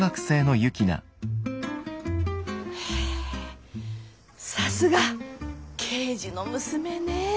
へぇさすが刑事の娘ね。